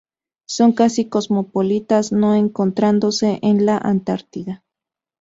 Son casi cosmopolitas, no encontrándose en la Antártida.